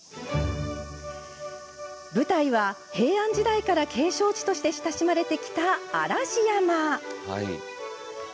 舞台は平安時代から景勝地として親しまれてきた嵐山。